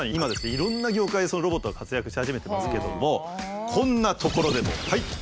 いろんな業界でロボットが活躍し始めてますけどもこんな所でもはい！